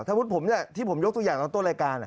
ถ้าพูดผมเนี่ยที่ผมยกตัวอย่างตอนต้นรายการ